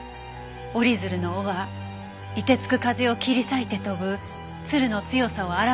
折り鶴の尾は凍てつく風を切り裂いて飛ぶ鶴の強さを表しているのだと。